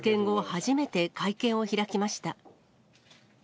初めて、会見を開きました。